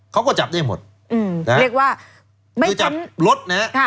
ผมบอกว่ามันจะมา๖๗คนเหรอ